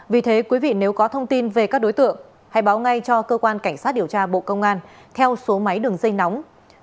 vì thế quý vị nếu có thông tin về các đối tượng hãy báo ngay cho cơ quan cảnh sát điều tra bộ công an theo số máy đường dây nóng sáu mươi chín hai trăm ba mươi bốn năm nghìn tám trăm sáu mươi bốn